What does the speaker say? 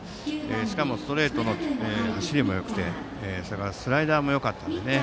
しかもストレートの走りもよくてスライダーもよかったですよね。